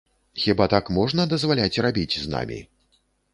Хіба так можна дазваляць рабіць з намі?